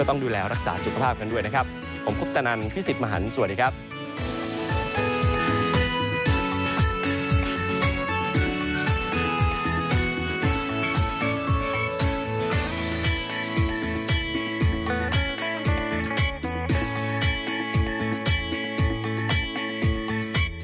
โปรดติดตามตอนต่อไป